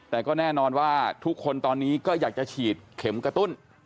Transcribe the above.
แต่ก็แน่นอนว่าทุกคนตอนนี้ก็อยากจะฉีดเข็มกระตุ้น